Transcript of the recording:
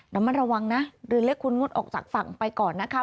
ระมัดระวังนะเรือเล็กคุณงดออกจากฝั่งไปก่อนนะคะ